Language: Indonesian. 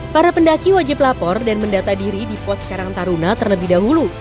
para pendaki wajib lapor dan mendata diri di pos karang taruna terlebih dahulu